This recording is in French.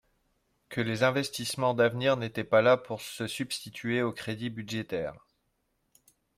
que les investissements d’avenir n’étaient pas là pour se substituer aux crédits budgétaires.